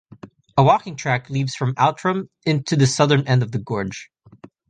A walking track leads from Outram into the southern end of the gorge.